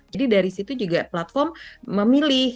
jadi dari situ juga platform memilih